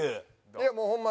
いやもうホンマ